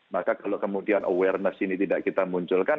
maka kalau kemudian awareness ini tidak kita munculkan